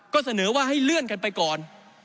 ก็เสนอว่าให้เลื่อนกันไปก่อน